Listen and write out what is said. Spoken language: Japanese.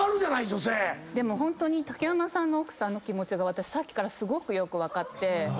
ホントに竹山さんの奥さんの気持ちがすごくよく分かって。